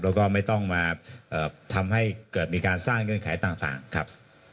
แล้วก็ไม่ต้องมาทำให้เกิดมีการสร้างเงื่อนไขต่างครับ